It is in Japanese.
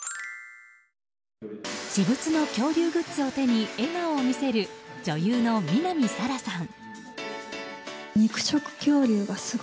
私物の恐竜グッズを手に笑顔を見せる女優の南沙良さん。